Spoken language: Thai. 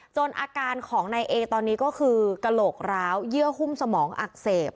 อาการของนายเอตอนนี้ก็คือกระโหลกร้าวเยื่อหุ้มสมองอักเสบ